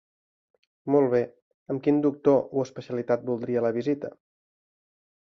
Molt bé, amb quin doctor o especialitat voldria la visita?